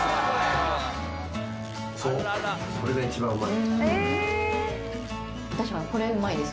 そうそれが１番うまい。